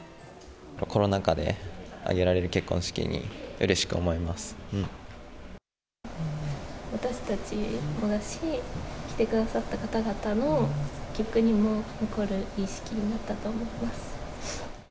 コロナ禍で挙げられる結婚式私たちもだし、来てくださった方々の記憶にも残るいい式になったと思います。